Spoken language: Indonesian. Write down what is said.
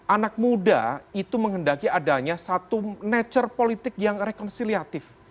anak muda itu menghendaki adanya satu nature politik yang rekonsiliatif